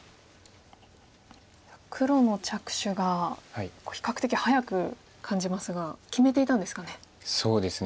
黒の着手が比較的早く感じますが決めていたんですかね。